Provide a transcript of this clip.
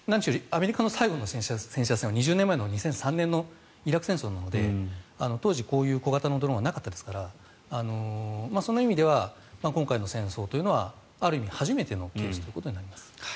アメリカの最後の戦車戦は２０年前のイラク戦争なので当時、こういう小型のドローンはなかったですからその意味では今回の戦争というのはある意味、初めてのケースということになります。